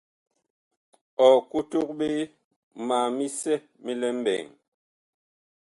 Ɔ kotog ɓe ma misɛ mi lɛ mɓɛɛŋ.